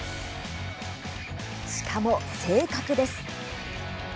しかも正確です。